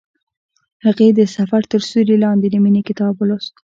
هغې د سفر تر سیوري لاندې د مینې کتاب ولوست.